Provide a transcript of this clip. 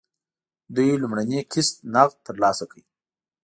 دوی لومړنی قسط نغد ترلاسه کړ.